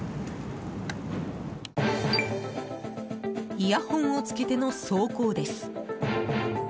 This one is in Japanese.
イヤホンをつけての走行です。